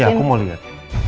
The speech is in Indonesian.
ya aku mau lihat